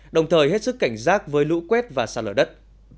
đồng thời hết sức cảnh giác với lũ quét và sạt lở đất